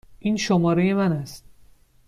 این شماره من است.